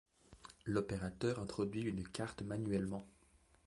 L'opérateur introduit une carte manuellement.